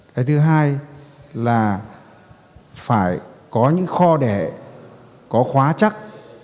cái thứ hai là phải có những kho đẻ có khóa chắc